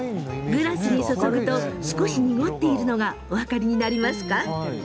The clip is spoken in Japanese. グラスに注ぐと少し濁っているのがお分かりになりますか？